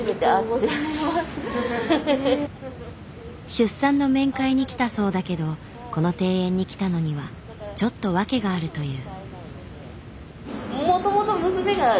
出産の面会に来たそうだけどこの庭園に来たのにはちょっと訳があるという。